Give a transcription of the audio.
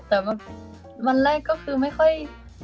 แต่วันแรกก็คือไม่ค่อย